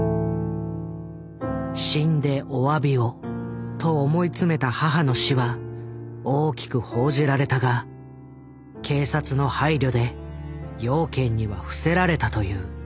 「死んでおわびを」と思い詰めた母の死は大きく報じられたが警察の配慮で養賢には伏せられたという。